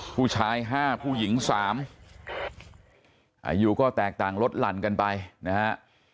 ผู้ชาย๕ผู้หญิง๓อายุก็แตกต่างลดหลั่นกันไปนะฮะ